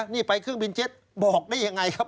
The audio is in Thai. นี่ไปเครื่องบินเจ็ตบอกได้ยังไงครับ